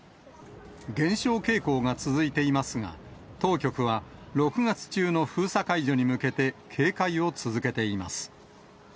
減少傾向が続いていますが、当局は、６月中の封鎖解除に向けて、警戒を続けています。